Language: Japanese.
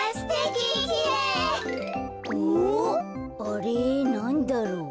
あれなんだろう？